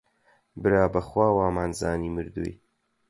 برا بەخوا وەمانزانی مردووی